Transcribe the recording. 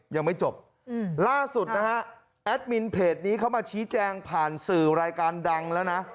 ยังไม่จบล่าสุดนะฮะแอดมินเพจนี้เขามาชี้แจงผ่านสื่อรายการดังแล้วนะ